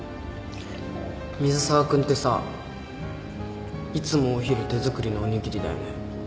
水沢君ってさいつもお昼手作りのおにぎりだよね。